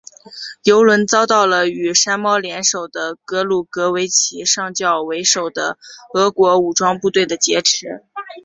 油轮遭到了与山猫联手的格鲁格维奇上校为首的俄国武装部队的劫持。